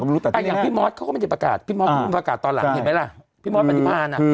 แต่อย่างพี่มอสเขาก็ไม่ได้ประกาศพี่มอสก็ไม่ได้ประกาศตอนหลังเห็นไหมล่ะ